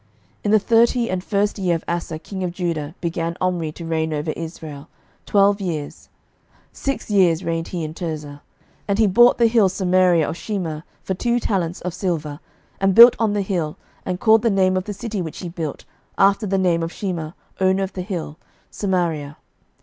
11:016:023 In the thirty and first year of Asa king of Judah began Omri to reign over Israel, twelve years: six years reigned he in Tirzah. 11:016:024 And he bought the hill Samaria of Shemer for two talents of silver, and built on the hill, and called the name of the city which he built, after the name of Shemer, owner of the hill, Samaria.